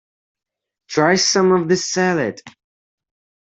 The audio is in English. Try some of this salad.